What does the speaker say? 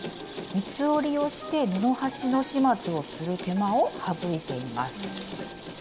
三つ折りをして布端の始末をする手間を省いています。